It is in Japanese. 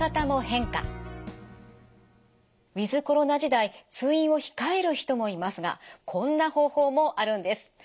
ウィズコロナ時代通院を控える人もいますがこんな方法もあるんです。